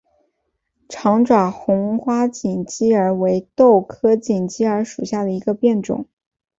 长爪红花锦鸡儿为豆科锦鸡儿属下的一个变种。